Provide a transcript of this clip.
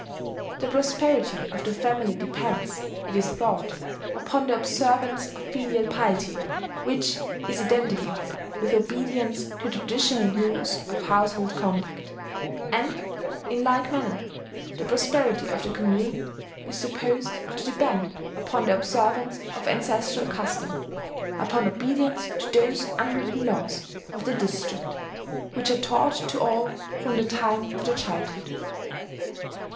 The prosperity of the family depends, it is thought, upon the observance of filial piety, which is identified with obedience to the traditional rules of household conduct; and, in like manner, the prosperity of the commune is supposed to depend upon the observance of ancestral custom, upon obedience to those unwritten laws of the district, which are taught to all from the time of their childhood.